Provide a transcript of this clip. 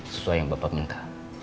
sesuai yang bapak minta